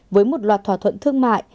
với một loạt thỏa thuận thương mại